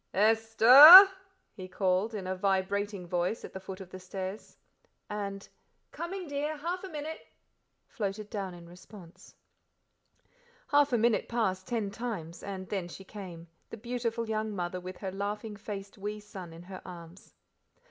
"Esther!" he called, in a vibrating voice at the foot of the stairs. And "Coming, dear half a minute," floated down in response. Half a minute passed ten times, and then she came, the beautiful young mother with her laughing faced wee son in her arms.